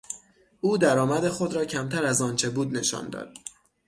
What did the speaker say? او در آمد خود را کمتر از آنچه بود نشان داد.